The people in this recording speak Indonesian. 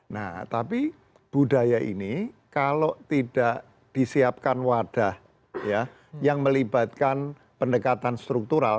nah tapi budaya ini kalau tidak disiapkan wadah yang melibatkan pendekatan struktural